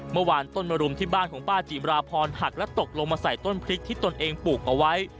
เมื่อวานต้นมรุมที่บ้านของป้าจิมราพรหักและตกลงมาใส่ต้นพริกที่ตนเองปลูกเอาไว้